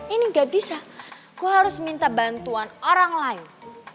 ini gak bisa gue harus minta bantuan orang lain